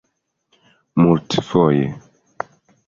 multfoje